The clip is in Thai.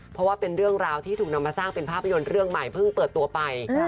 เพราะว่าเป็นเรื่องราวที่ถูกนำมาสร้างเป็นภาพยนตร์เรื่องใหม่เพิ่งเปิดตัวไป